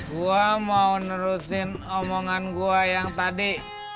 gue mau nerusin omongan gue yang tadi